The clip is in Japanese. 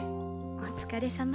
お疲れさま。